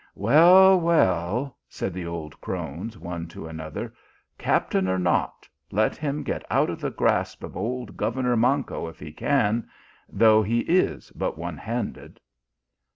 " Well, well," said the old crones one to another, " captain or not, let him get out of the grasp of old governor Manco if he can, though he is but one handed."